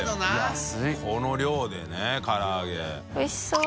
この量でね唐揚げ。